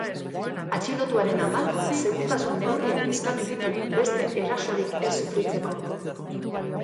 Atxilotuaren amak, segurtasun neurriak eskatu ditu beste erasorik ez sufritzeko.